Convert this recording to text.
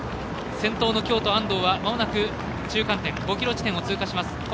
先頭の京都、安藤はまもなく中間点５ｋｍ地点を通過します。